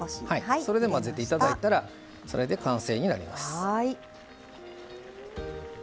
それで混ぜていただいたら完成になります。